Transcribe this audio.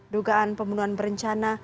dugaan pembunuhan berencana